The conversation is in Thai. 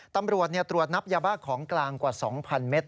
ตำรวจตรวจนับยาบ้าของกลางกว่า๒๐๐เมตร